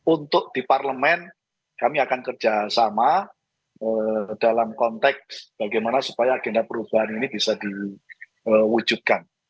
untuk di parlemen kami akan kerjasama dalam konteks bagaimana supaya agenda perubahan ini bisa diwujudkan